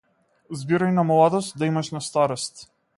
Збирај на младост, да имаш на старост.